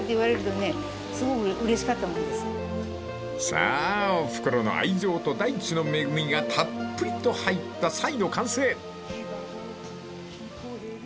［さあおふくろの愛情と大地の恵みがたっぷりと入った「斎」の完成］